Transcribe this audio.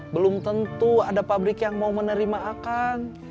belum tentu ada pabrik yang mau menerima akan